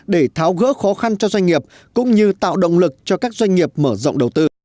để thay đổi vốn đối ứng cho các dự án oda